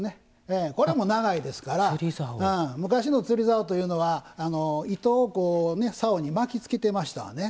これも長いですから昔の釣りざおというのは糸をさおに巻きつけていました。